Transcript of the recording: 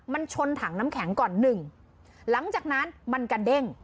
มันชนถังน้ำแข็งก่อนหนึ่งหลังจากนั้นมันกระเด้ง